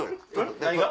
何が？